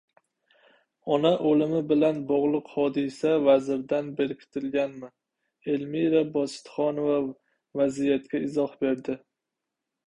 Ona o‘limi bilan bog‘liq hodisa vazirdan berkitilganmi? Elmira Bositxanova vaziyatga izoh berdi